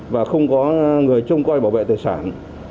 và không có người trông coi bảo vệ tài sản